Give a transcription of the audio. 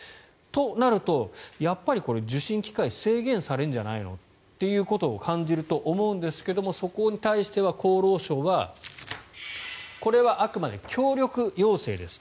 となると、やっぱり受診機会制限されるんじゃないのって感じると思うんですがそこに対しては厚労省はこれはあくまで協力要請です